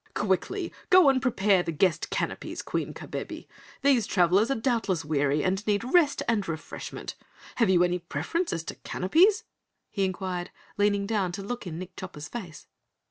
"Quickly! Go and prepare the Guest Canopies, Queen Kabebe! These travellers are doubtless weary, and need rest and refreshment. Have you any preference as to canopies?" he inquired, leaning down to look in Nick Chopper's face.